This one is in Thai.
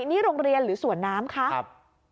นี่โรงเรียนหรือสวนน้ำครับ